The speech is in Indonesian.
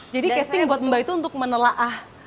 jadi casting buat mba itu untuk menelaah